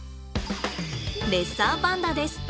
レッサーパンダです。